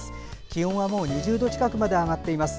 気温はもう２０度近くまで上がっています。